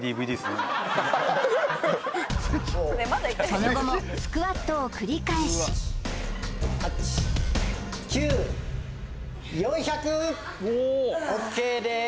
その後もスクワットを繰り返しＯＫです！